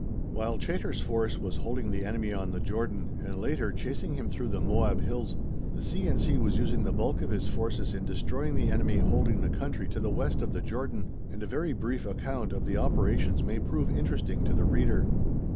While Chaytor's Force was holding the enemy on the Jordan and, later, chasing him through the Moab hills, the C. in C. was using the bulk of his forces in destroying the enemy holding the country to the West of the Jordan, and a very brief account of the operations may prove interesting to the reader.